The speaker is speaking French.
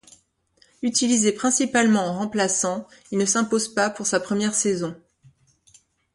Utilisé principalement en remplaçant il ne s'impose pas pour sa première saison.